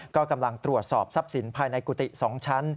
ก็กำลังตรวจสอบทรัพย์สินภายในกุฏิ๒ชั้น